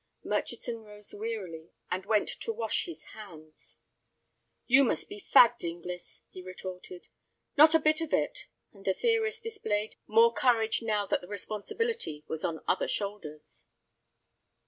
Murchison rose wearily and went to wash his hands. "You must be fagged, Inglis," he retorted. "Not a bit of it," and the theorist displayed more courage now that the responsibility was on other shoulders.